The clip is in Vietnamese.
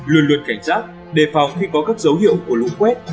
luôn luôn cảnh giác đề phòng khi có các dấu hiệu của lũ quét